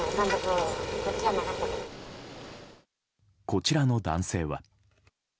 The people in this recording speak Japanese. こちらの男性は。